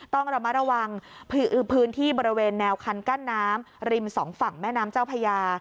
ต้องระมัดระวังพื้นที่บริเวณแนวคันกั้นน้ำริมสองฝั่งแม่น้ำเจ้าพญา